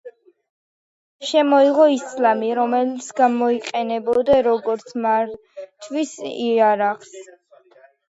შემოიღო ისლამი, რომელიც გამოიყენებოდა, როგორც მართვის იარაღი.